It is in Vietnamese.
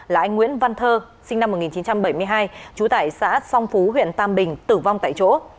là anh nguyễn văn thơ sinh năm một nghìn chín trăm bảy mươi hai trú tại xã song phú huyện tam bình tử vong tại chỗ